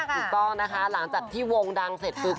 ถูกต้องนะคะหลังจากที่วงดังเสร็จปุ๊บ